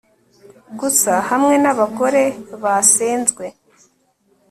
gusa hamwe n'abagore basenzwe